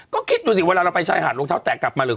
ก็คิดดูสิเวลาเราไปชายหาดรองเท้าแตะกลับมาหรือ